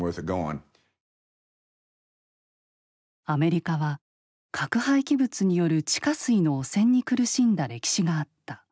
アメリカは核廃棄物による地下水の汚染に苦しんだ歴史があった。